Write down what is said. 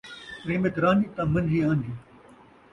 تریمت رنج ، تاں منجی انج